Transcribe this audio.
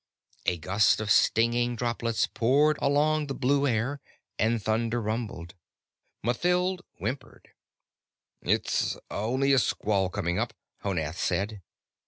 A gust of stinging droplets poured along the blue air and thunder rumbled. Mathild whimpered. "It's only a squall coming up," Honath said.